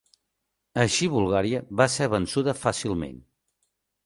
Així, Bulgària va ser vençuda fàcilment.